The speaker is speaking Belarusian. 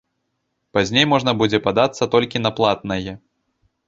Пазней можна будзе падацца толькі на платнае.